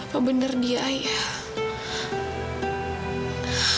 apa bener dia ayah